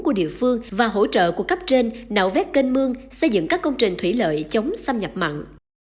của địa phương và hỗ trợ của cấp trên nạo vét kênh mương xây dựng các công trình thủy lợi chống xâm nhập mặn